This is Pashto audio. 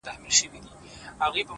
خپل ژوند د مانا له رڼا ډک کړئ!